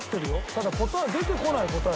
ただ答え出てこない答え。